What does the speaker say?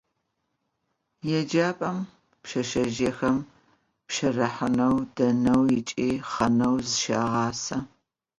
Yêcap'em pşseşsezjıêxem pşerıhaneu, deneu ıç'i xheneu zışağase.